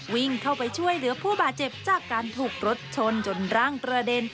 วิ่งเข้าไปช่วยเหลือผู้บาดเจ็บจากการถูกรถชนจนร่างกระเด็น